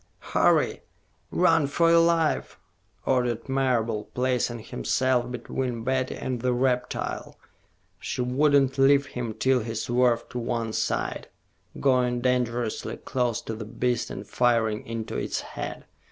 "Hurry! Run for your life!" ordered Marable, placing himself between Betty and the reptile. She would not leave him till he swerved to one side, going dangerously close to the beast and firing into its head.